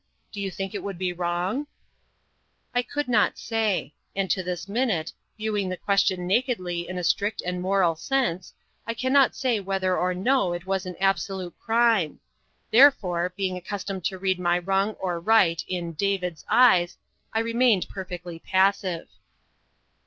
Do you think it would be wrong?" I could not say; and to this minute, viewing the question nakedly in a strict and moral sense, I cannot say either whether or no it was an absolute crime; therefore, being accustomed to read my wrong or right in "David's" eyes, I remained perfectly passive.